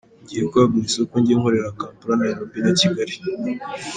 Ngiye kwagura isoko, njye nkorera Kampala, Nairobi na Kigali.